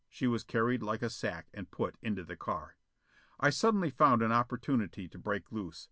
She was carried like a sack and put into the car. I suddenly found an opportunity to break loose.